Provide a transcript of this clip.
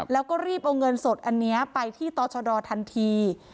แล้วก็รีบเอาเงินสดอันนี้ไปที่ต่อชดทันที